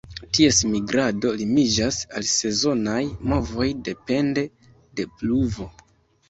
Ties migrado limiĝas al sezonaj movoj depende de pluvo.